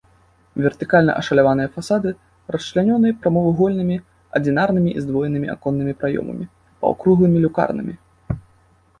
Вертыкальна ашаляваныя фасады расчлянёны прамавугольнымі адзінарнымі і здвоенымі аконнымі праёмамі, паўкруглымі люкарнамі.